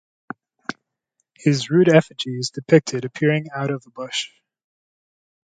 His rude effigy is depicted appearing out of a bush.